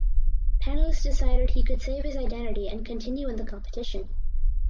Panelists decided he could save his identity and continue in the competition.